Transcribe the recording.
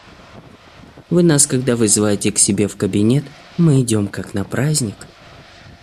Вы нас когда вызываете к себе в кабинет, мы идем, как на праздник!